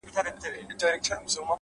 صبر د اوږدو سفرونو قوت دی’